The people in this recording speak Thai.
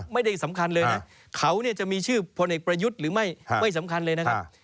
ไม่ได้สำคัญเลยนะเขาจะมีชื่อพลเอกประยุทธ์หรือไม่ไม่สำคัญเลยนะครับ